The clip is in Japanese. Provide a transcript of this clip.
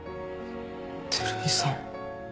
照井さん。